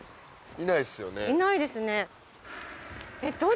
いないですね。